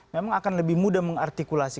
memang akan lebih mudah mengartikulasi